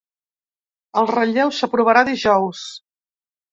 El relleu s’aprovarà dijous.